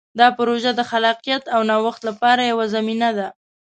دا پروژه د خلاقیت او نوښت لپاره یوه زمینه ده.